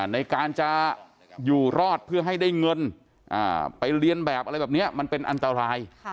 ในการจะอยู่รอดเพื่อให้ได้เงินไปเรียนแบบอะไรแบบนี้มันเป็นอันตราย